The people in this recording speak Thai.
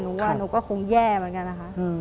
หนูว่าหนูก็คงแย่เหมือนกันนะคะ